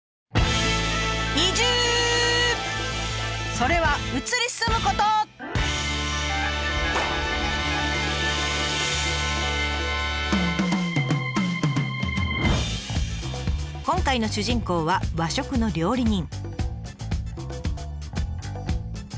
それは今回の主人公は和食の料理人。